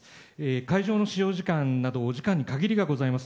会場の使用時間などお時間に限りがございます。